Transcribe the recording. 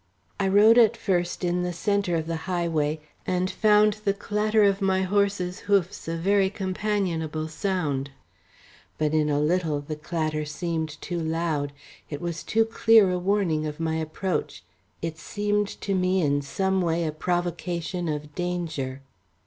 I rode at first in the centre of the highway, and found the clatter of my horse's hoofs a very companionable sound. But in a little the clatter seemed too loud, it was too clear a warning of my approach, it seemed to me in some way a provocation of danger.